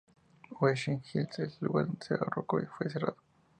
Westin Hills, el lugar donde se ahorcó, fue cerrado.